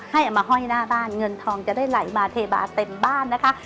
เอามาห้อยหน้าบ้านเงินทองจะได้ไหลมาเทบาเต็มบ้านนะคะ